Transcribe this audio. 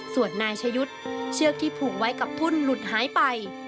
ส่วนนายชะยุทธ์เชือกที่ผูกไว้กับทุ่นหลุดหายไป